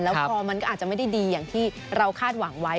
พอมันก็อาจจะไม่ได้ดีอย่างที่เราคาดหวังไว้